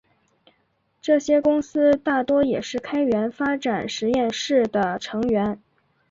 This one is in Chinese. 这些公司大多也是开源发展实验室的成员。